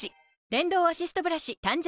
電動アシストブラシ誕生